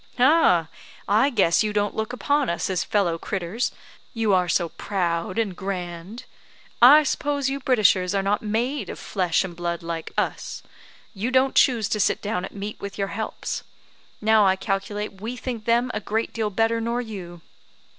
"Ah, I guess you don't look upon us as fellow critters, you are so proud and grand. I s'pose you Britishers are not made of flesh and blood like us. You don't choose to sit down at meat with your helps. Now, I calculate, we think them a great deal better nor you."